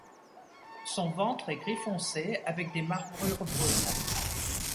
Son ventre est gris foncé avec des marbrures brunes.